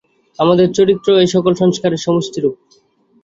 আমাদের চরিত্র এই-সকল সংস্কারের সমষ্টিস্বরূপ।